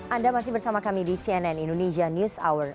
anda masih bersama kami di cnn indonesia news hour